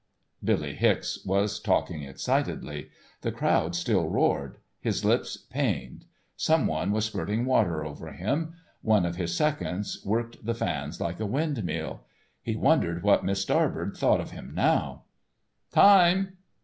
_" Billy Hicks was talking excitedly. The crowd still roared. His lips pained. Someone was spurting water over him, one of his seconds worked the fans like a windmill. He wondered what Miss Starbird thought of him now. "_Time!